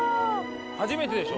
初めてでしょ？